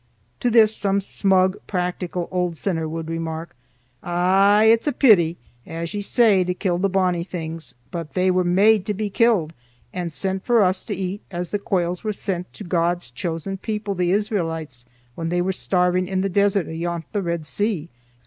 To this some smug, practical old sinner would remark: "Aye, it's a peety, as ye say, to kill the bonnie things, but they were made to be killed, and sent for us to eat as the quails were sent to God's chosen people, the Israelites, when they were starving in the desert ayont the Red Sea.